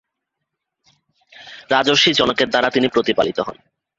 রাজর্ষি জনকের দ্বারা তিনি প্রতিপালিত হন।